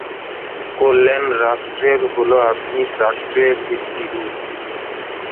কল্যাণ রাষ্ট্রের হল আধুনিক রাষ্ট্রের একটি রূপ।